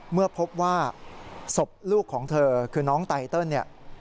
เมื่อพบว่าศพลูกของเธอคือน้องไตเติลเนี่ย